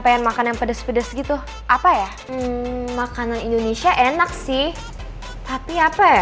pengen makan yang pedes pedes gitu apa ya makanan indonesia enak sih tapi apa ya